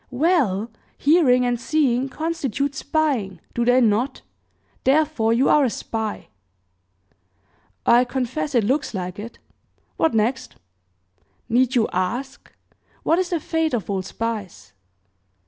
"Well, hearing and seeing constitute spying, do they not? Therefore, you are a spy." "I confess it looks like it. What next?" "Need you ask What is the fate of all spies?"